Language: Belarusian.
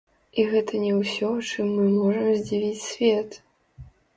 І гэта не ўсё, чым мы можам здзівіць свет.